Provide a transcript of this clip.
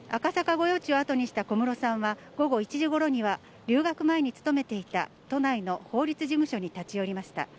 御用地を後にした小室さんは、午後１時ごろには留学前に勤めていた都内の法律事務所に立ち寄りました。